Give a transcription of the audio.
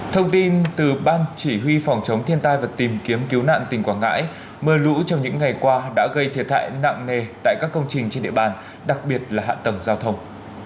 thông tin từ ban chỉ huy phòng chống thiên tai và tìm kiếm cứu nạn tỉnh quảng ngãi mưa lũ trong những ngày qua đã gây thiệt hại nặng nề tại các công trình trên địa bàn đặc biệt là hạ tầng giao thông